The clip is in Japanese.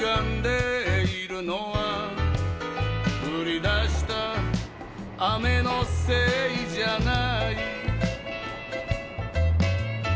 「降り出した雨のせいじゃない」